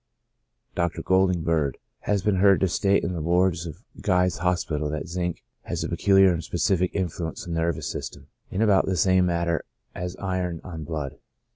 Dr. Golding Bird has been heard to state in the wards of Guy's Hospital that zinc has a peculiar and specific influence on the nervous system, in about the same manner as iron on blood.